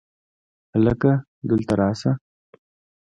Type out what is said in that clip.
هلکه! دلته راشه!